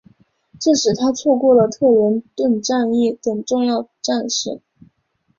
这使他错过了特伦顿战役等重要战事。